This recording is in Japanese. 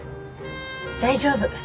大丈夫。